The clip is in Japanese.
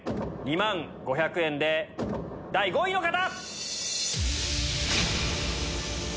２万５００円で第５位の方！